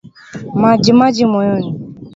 Majimaji moyoni